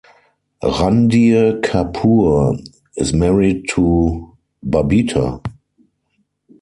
Randhir Kapoor is married to Babita.